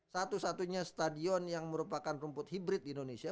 satu satunya stadion yang merupakan rumput hibrid di indonesia